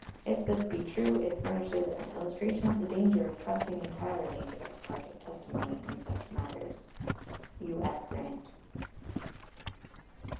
If this be true, it furnishes an illustration of the danger of trusting entirely to ex parte testimony in such matters. U.S. GRANT.